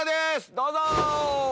どうぞ！